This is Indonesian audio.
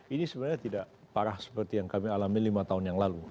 ini sebenarnya tidak parah seperti yang kami alami lima tahun yang lalu